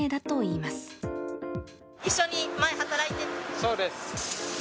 そうです。